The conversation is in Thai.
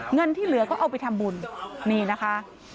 เงินที่เหลือก็เอาไปทำบุญนี่นะคะ